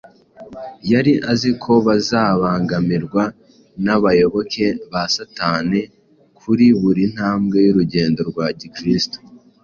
Yari azi ko bazabangamirwa n’abayoboke ba Satani kuri buri ntambwe y’urugendo rwa Gikristo